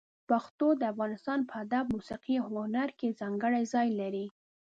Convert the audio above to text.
پښتو د افغانستان په ادب، موسيقي او هنر کې ځانګړی ځای لري.